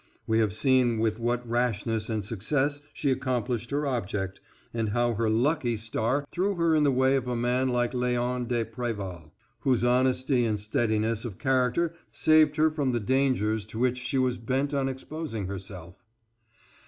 We have seen with what rashness and success she accomplished her object, and how her lucky star threw in her way a man like Léon de Préval, whose honesty and steadiness of character saved her from the dangers to which she was bent on exposing herself.